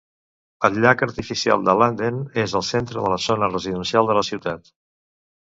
El llac artificial de Landen és el centre de la zona residencial de la ciutat.